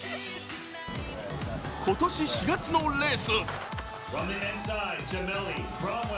今年４月のレース。